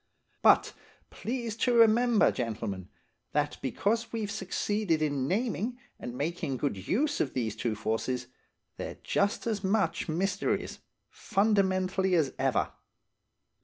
But, please to remember, gentlemen, that because we've succeeded in naming and making good use of these two forces, they're just as much mysteries, fundamentally as ever.